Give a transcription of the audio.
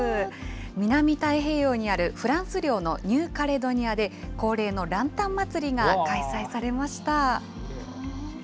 南太平洋にあるフランス領のニューカレドニアで、恒例のランタン祭りが開催されました。